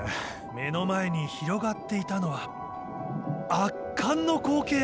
目の前に広がっていたのは圧巻の光景。